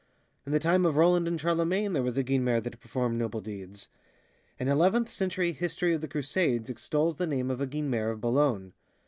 In the time of Roland and Charlemagne, there was a Guinemer that performed noble deeds. An eleventh century history of the Crusades extols the name of a Guinemer of Boulogne.